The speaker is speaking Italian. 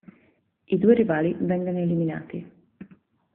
I due rivali vengono eliminati.